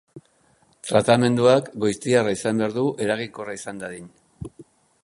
Tratamenduak goiztiarra izan behar du eraginkorra izan dadin.